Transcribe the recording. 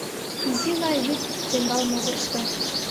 Изи-лай вӱд тембал могырышто